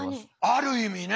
ある意味ね。